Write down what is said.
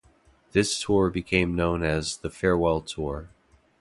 This tour became known as the Farewell Tour.